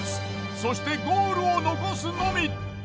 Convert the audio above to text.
そしてゴールを残すのみ。